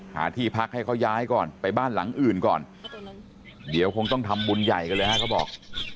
ที่พักให้เขาย้ายก่อนไปบ้านหลังอื่นก่อนเดี๋ยวคงต้องทำบุญใหญ่กันเลยฮะเขาบอก